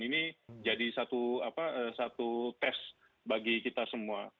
ini jadi satu tes bagi kita semua